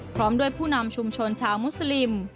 พร้อมด้วยผู้นำชุมชนชาวมุสลิม